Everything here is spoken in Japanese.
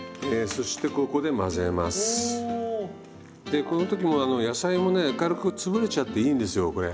でこの時も野菜もね軽く潰れちゃっていいんですよこれ。